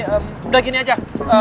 udah gini aja